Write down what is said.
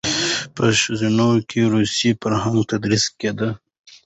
په ښوونځیو کې روسي فرهنګ تدریس کېده.